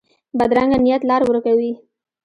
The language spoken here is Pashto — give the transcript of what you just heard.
بدرنګه نیت لار ورکه وي